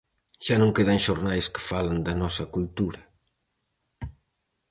"Xa non quedan xornais que falen da nosa cultura".